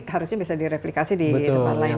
harusnya bisa direplikasi di tempat lain